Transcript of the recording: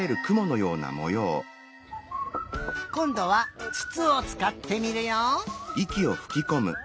こんどはつつをつかってみるよ！